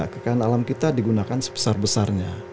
kekaan alam kita digunakan sebesar besarnya